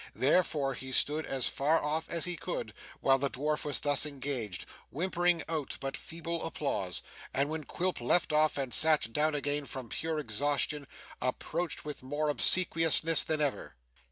Therefore, he stood as far off as he could, while the dwarf was thus engaged; whimpering out but feeble applause; and when Quilp left off and sat down again from pure exhaustion, approached with more obsequiousness than ever.